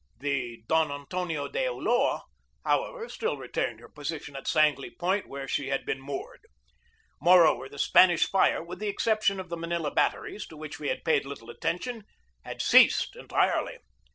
The Don Antonio de Ulloa, however, still retained her position at Sang THE BATTLE OF MANILA BAY 219 ley Point, where she had been moored. Moreover, the Spanish fire, with the exception of the Manila batteries, to which we had paid little attention, had ceased entirely.